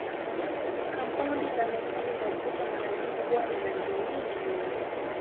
Kampaundi za metali za mpito mara nyingi huwa na rangi nyingi.